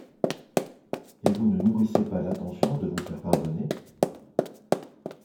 Et vous ne nourrissez pas l'intention de vous faire pardonner!